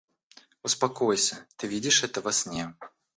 — Успокойся, ты видишь это во сне.